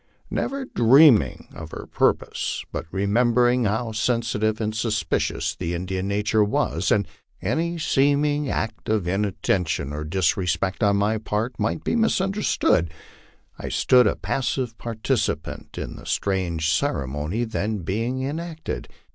Never dreaming of her purpose, but remembering how sensitive and suspicious the Indian nature was, and that any seeming act of inattention or disrespect on my part might be misunderstood, I stood a passive participant 172 LIFE ON THE PLAINS. in the strange ceremony then being enacted.